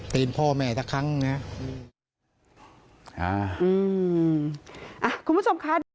เป็นพ่อแม่ทั้งครั้งนะ